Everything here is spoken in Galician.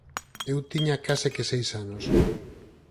Eu tiña case que seis anos.